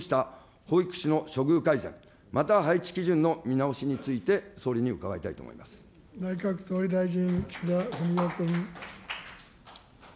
この保育現場の実態に即した保育士の処遇改善、また配置基準の見直しについて、総理に伺いたいと内閣総理大臣、岸田文雄君。